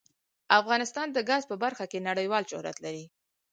افغانستان د ګاز په برخه کې نړیوال شهرت لري.